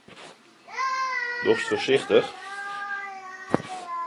Dochst foarsichtich?